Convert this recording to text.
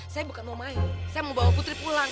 saya bukan mau main saya mau bawa putri pulang